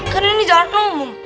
kan ini jalan umum